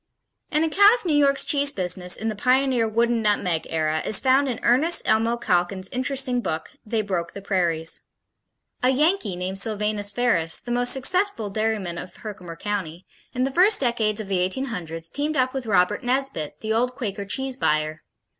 An account of New York's cheese business in the pioneer Wooden Nutmeg Era is found in Ernest Elmo Calkins' interesting book, They Broke the Prairies. A Yankee named Silvanus Ferris, "the most successful dairyman of Herkimer County," in the first decades of the 1800's teamed up with Robert Nesbit, "the old Quaker Cheese Buyer."